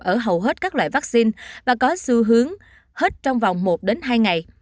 ở hầu hết các loại vaccine và có xu hướng hết trong vòng một đến hai ngày